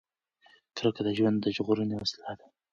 کرکه د ژوند ژغورنې وسیله ده.